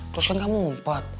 terus kan kamu ngumpet